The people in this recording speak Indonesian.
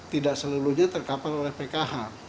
tidak seluruhnya terkapal oleh pkh